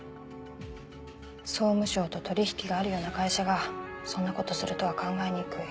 総務省と取引があるような会社がそんなことするとは考えにくい。